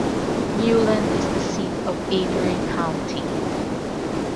Newland is the seat of Avery County.